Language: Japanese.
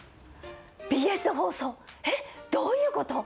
ＢＳで放送えっどういうこと！？